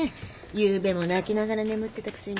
ゆうべも泣きながら眠ってたくせに。